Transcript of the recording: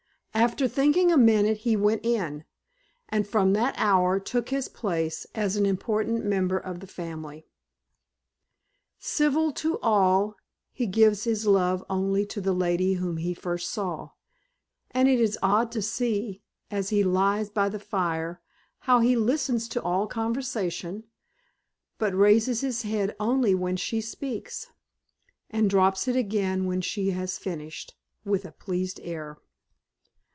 After thinking a minute he went in, and from that hour took his place as an important member of the family. Civil to all, he gives his love only to the lady whom he first saw; and it is odd to see, as he lies by the fire, how he listens to all conversation, but raises his head only when she speaks, and drops it again when she has finished, with a pleased air.